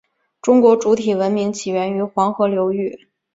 中国主体文明起源于黄河流域。